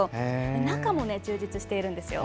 中も充実しているんですよ。